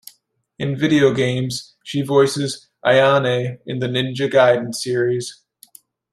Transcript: In video games, she voices Ayane in the "Ninja Gaiden" series.